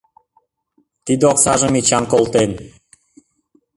Тиде оксажым Эчан колтен.